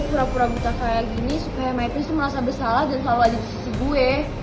gue pura pura buta kayak gini supaya my prince merasa bersalah dan selalu ada di sisi gue